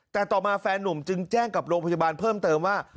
แต่ต่อมาแฟนนุ่มจึงแจ้งกับโรงพยาบาลเพิ่มเติมว่า